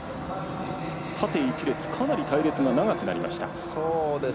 縦一列かなり隊列が長くなりました。